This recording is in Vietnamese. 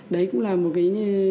đấy cũng là một cái